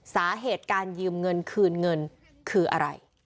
สาเหตุการยืมเงินคืนเงินคืออะไร